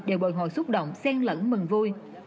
đều bồi hồi xúc động sen lẫn mừng vui